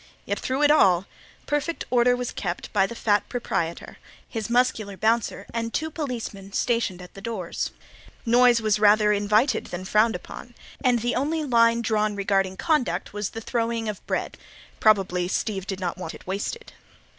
Yet through it all perfect order was kept by the fat proprietor, his muscular "bouncer" and two policemen stationed at the doors. Noise was rather invited than frowned upon, and the only line drawn regarding conduct was the throwing of bread. Probably Steve did not want it wasted.